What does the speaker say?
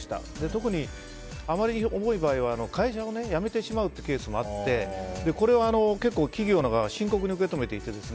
特にあまり重い場合は会社を辞めてしまうケースもあってこれは、結構企業の側は深刻に受け止めていて。